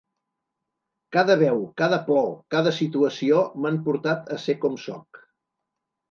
Cada veu, cada plor, cada situació m’han portat a ser com sóc.